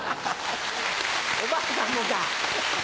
おばあさんもか。